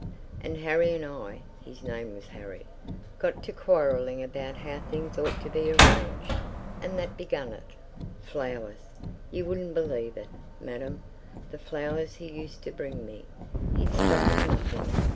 And Harry and I (his name was Harry) got to quarrelling about how things ought to be arranged—and that began it. Flowers! you wouldn't believe it, madam, the flowers he used to bring me. He'd stop at nothing.